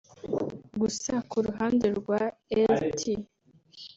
Gusa ku ruhande rwa Lt